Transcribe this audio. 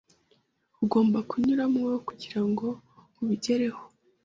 ugomba kunyuramo kugira ngo ubigereho